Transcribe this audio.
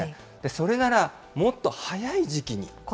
それなら、もっと早い時期に。